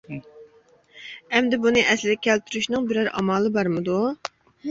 ئەمدى بۇنى ئەسلىگە كەلتۈرۈشنىڭ بىرەر ئامالى بارمىدۇ؟ !